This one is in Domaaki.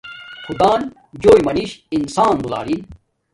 خدان جُݹ منش انسان دولارین